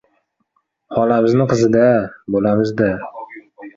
Xolamizni qizi-da — bo‘lamiz-da!